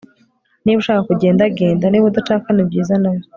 Niba ushaka kugenda genda Niba udashaka nibyiza nabyo